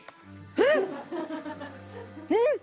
うん！？